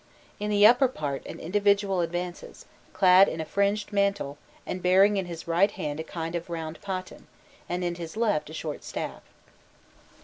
In the upper part an individual advances, clad in a fringed mantle, and bearing in his right hand a kind of round paten, and in his left a short staff.